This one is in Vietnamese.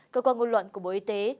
cơ quan ngôn luận của bộ y tế